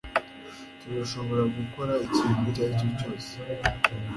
turashobora gukora ikintu icyo ari cyo cyose